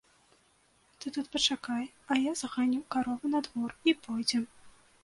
Ты тут пачакай, я заганю каровы на двор, і пойдзем.